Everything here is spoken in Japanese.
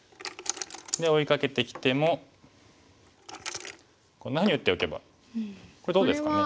追いかけてきてもこんなふうに打っておけばこれどうですかね。